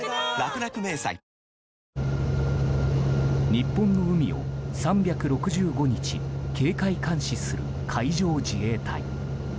日本の海を３６５日警戒監視する海上自衛隊。